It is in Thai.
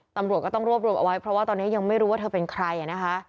ตำรวจก็ต้องรวบรวมเอาไว้เพราะว่าตอนนี้ยังไม่รู้ว่าเธอเป็นใครนะคะ